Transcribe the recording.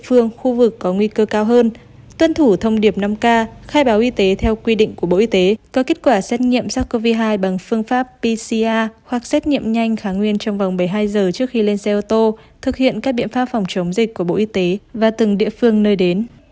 phương khu vực có nguy cơ cao hơn tuân thủ thông điệp năm k khai báo y tế theo quy định của bộ y tế có kết quả xét nghiệm sars cov hai bằng phương pháp pcr hoặc xét nghiệm nhanh kháng nguyên trong vòng một mươi hai giờ trước khi lên xe ô tô thực hiện các biện pháp phòng chống dịch của bộ y tế và từng địa phương nơi đến